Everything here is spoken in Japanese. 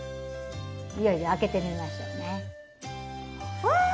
いよいよ開けてみましょうね。わ！